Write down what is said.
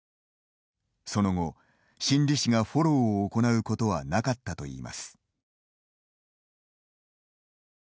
その後、心理士がフォローを行うことはなかったといいます。